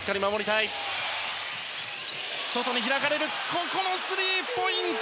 ここもスリーポイント。